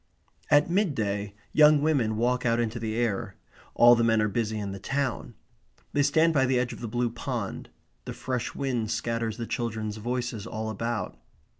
At mid day young women walk out into the air. All the men are busy in the town. They stand by the edge of the blue pond. The fresh wind scatters the children's voices all about.